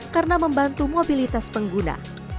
karena membantu mobilitas pengguna